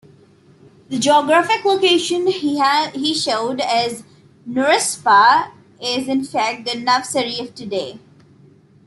The geographic location he showed as Narispa, is in fact the Navsari of today.